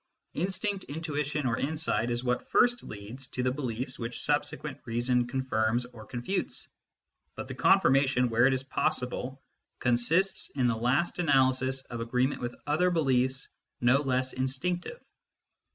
Instinct, intuition, or insight is what first leads to the beliefs tfhich subsequent reason confirms or confutes ; but the Confirmation, where it is possible, consists, in the last analysis, of agreement with other beliefs no less in stinctive.